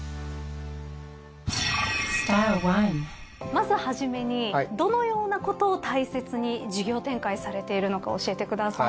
まず初めにどのようなことを大切に事業展開されているのか教えてください。